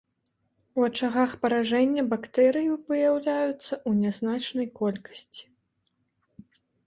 У ачагах паражэння бактэрыі выяўляюцца ў нязначнай колькасці.